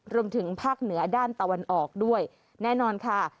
รวมถึงภาคเหนือด้านตะวันออกด้วยแน่นอนค่ะ